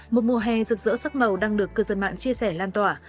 một mùa hè rực rỡ sắc màu đang được cư dân mạng chia sẻ lan tỏa